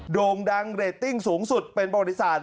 โด่งดังเรตติ้งสูงสุดเป็นบริษัท